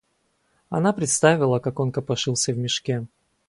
Она представила, как он копошился в мешке.